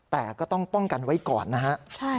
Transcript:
แต่ก็ต้องป้องกันไว้ก่อนนะฮะ